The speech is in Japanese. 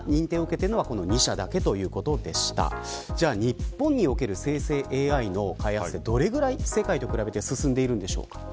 日本における生成ＡＩの開発は世界と比べて、どれぐらい進んでいるでしょうか。